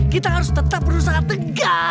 kita harus tetap berusaha tegak